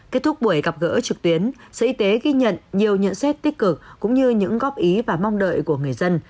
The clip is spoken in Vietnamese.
kết thúc buổi gặp gỡ trực tuyến sở y tế ghi nhận nhiều nhận xét tích cực cũng như những góp ý và mong đợi của người dân